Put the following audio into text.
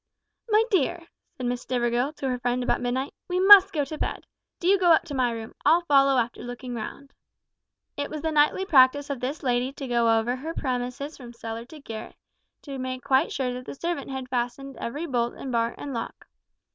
"My dear," said Miss Stivergill to her friend about midnight, "we must go to bed. Do you go up to my room; I'll follow after looking round." It was the nightly practice of this lady to go over her premises from cellar to garret, to make quite sure that the servant had fastened every bolt and bar and lock.